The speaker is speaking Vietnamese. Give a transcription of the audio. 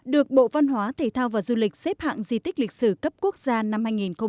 được bộ văn hóa thể thao và du lịch xếp hạng di tích lịch sử cấp quốc gia năm hai nghìn bảy